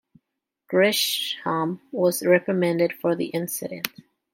Grisham was reprimanded for the incident.